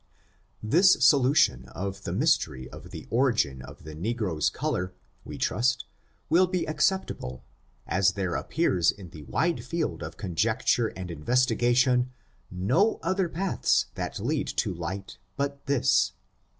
This solution of the mystery of the origin of the negro'S color, we trust, will be acceptable, as there appears in tlie wide field of conjecture and inves tigation, no other paths that lead to light but this.